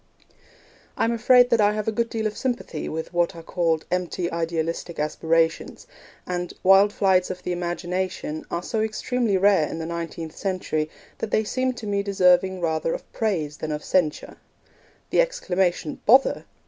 I am afraid that I have a good deal of sympathy with what are called 'empty idealistic aspirations'; and 'wild flights of the imagination' are so extremely rare in the nineteenth century that they seem to me deserving rather of praise than of censure. The exclamation 'Bother!'